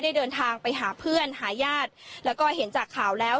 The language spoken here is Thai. ได้เดินทางไปหาเพื่อนหาญาติแล้วก็เห็นจากข่าวแล้ว